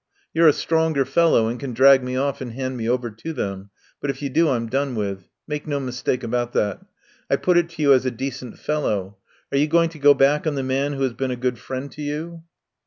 You're a stronger fellow and can drag me off and hand me over to them. But if you do I'm done with. Make no mistake about that. I put it to you as a decent fellow. Are you going to go back on the man who has been a good friend to you?"